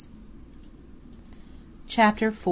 CHAPTER IV.